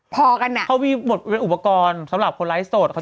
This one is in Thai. พอกันน่ะมีอุปกรณ์สำหรับคนไล้โสด